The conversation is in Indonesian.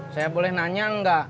saya boleh nanya enggak